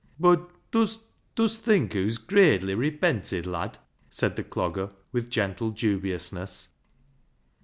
" Bud, dust think hoo's gradely repented, lad ?" said the Clogger with gentle dubiousness.